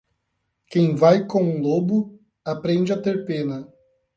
Quem vai com um lobo, aprende a ter pena.